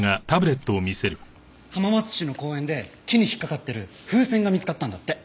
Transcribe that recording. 浜松市の公園で木に引っかかってる風船が見つかったんだって。